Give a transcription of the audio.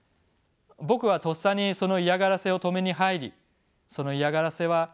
僕はとっさにその嫌がらせを止めに入りその嫌がらせはやみました。